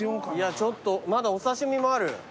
ちょっとまだお刺し身もある。